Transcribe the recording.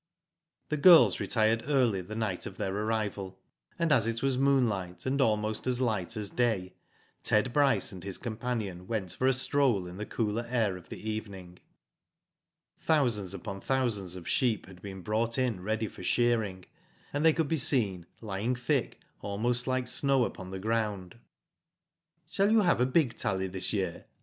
The girls retired early the night of their arrival, and as it was moonlight, and almost as light as day, Ted Bryce and his companion went for a stroll in the cooler air of the evening. Thousands upon thousands of sheep had been brought in ready for shearing, and they could be seen, lying thick, almost like snow upon the ground. Shall you have a big tally this year?